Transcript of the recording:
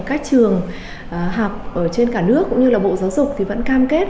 các trường học ở trên cả nước cũng như là bộ giáo dục thì vẫn cam kết